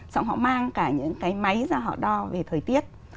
xong họ mang cả những cái máy ra họ đo về thời tiết